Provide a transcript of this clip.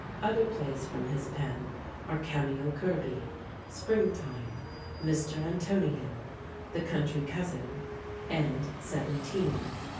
Other plays from his pen are "Cameo Kirby," "Springtime," "Mister Antonio," "The Country Cousin," and "Seventeen."